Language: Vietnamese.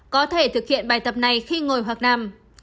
có thể thực hiện bài tập này khi ngồi hoặc làm